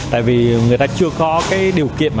tại vì người ta chưa có điều kiện